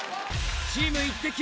チームイッテＱ！